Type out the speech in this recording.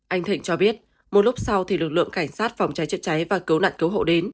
anh thịnh cho biết một lúc sau thì lực lượng cảnh sát phòng cháy chữa cháy và cứu nạn cứu hộ đến